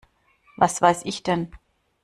Was weiß ich denn?